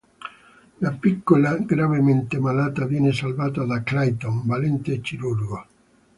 La piccola, gravemente malata, viene salvata da Clayton, valente chirurgo.